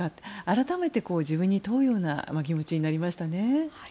改めて自分に問うような気持ちになりましたね。